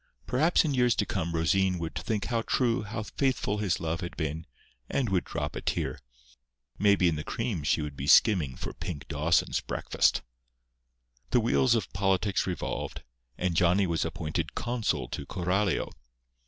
Perhaps in years to come Rosine would think how true, how faithful his love had been, and would drop a tear—maybe in the cream she would be skimming for Pink Dawson's breakfast. The wheels of politics revolved; and Johnny was appointed consul to Coralio.